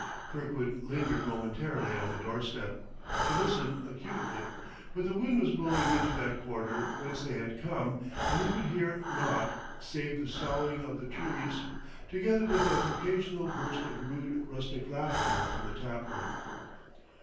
Kirkwood lingered momentarily on the doorstep, to listen acutely. But the wind was blowing into that quarter whence they had come, and he could hear naught save the soughing in the trees, together with an occasional burst of rude rustic laughter from the tap room.